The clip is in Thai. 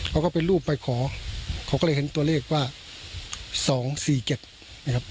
เขาก็ไปรูปไปขอเขาก็เลยเห็นตัวเลขว่า๒๔๗นะครับ